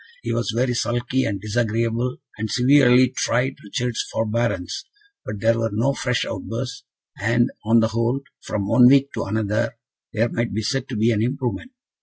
He was very sulky and disagreeable, and severely tried Richard's forbearance; but there were no fresh outbursts, and, on the whole, from one week to another, there might be said to be an improvement.